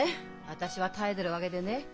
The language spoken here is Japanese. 私は耐えてるわけでねえ。